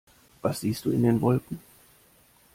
Was siehst du in den Wolken?